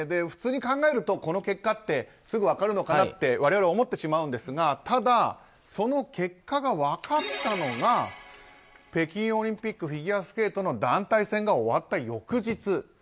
普通に考えるとこの結果ってすぐ分かるのかなって我々、思ってしまうのですがその結果が分かったのが北京オリンピックフィギュアスケートの団体戦が終わった翌日。